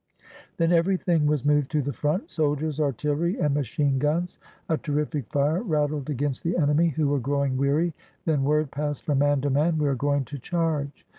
Then everything was moved to the front, — soldiers, artillery, and machine guns. A terrific fire rattled against the enemy, who were growing weary. Then word passed from man to man: "We are going to charge."